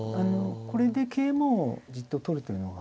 これで桂馬をじっと取るというのが。